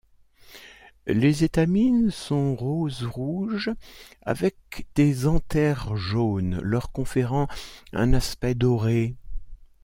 Les étamines sont rose-rouge avec des anthères jaune leur conférant un aspect doré.